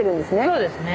そうですね。